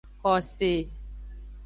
Xose.